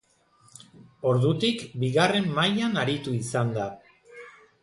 Ordutik bigarren mailan aritu izan da.